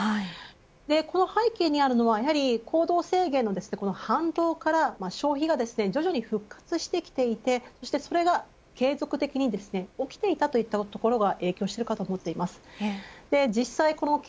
この背景にあるのは行動制限の反動から消費が徐々に復活してきていてそれが継続的に起きていたというところが影響していると思います。